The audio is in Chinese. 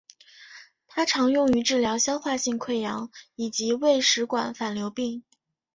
它常用于治疗消化性溃疡以及胃食管反流病。